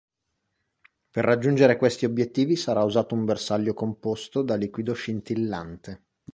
Per raggiungere questi obiettivi sarà usato un bersaglio composto da liquido scintillante.